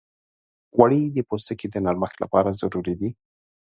غوړې د پوستکي د نرمښت لپاره ضروري دي.